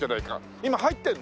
今入ってるの？